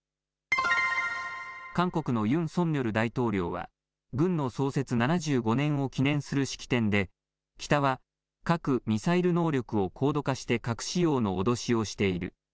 韓国のユン・ソンニョル大統領は軍の創設７５年を記念する式典で北は核・ミサイル能力を高度化して核使用の脅しをしている。